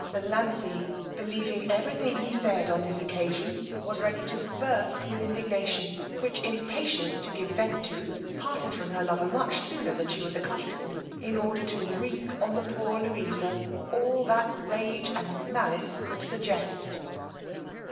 Melanthe, believing every thing he said on this occasion, was ready to burst with indignation; which impatient to give vent to, parted from her lover much sooner than she was accustomed, in order to wreak on the poor Louisa all that rage and malice could suggest.